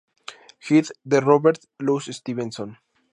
Hyde" de Robert Louis Stevenson.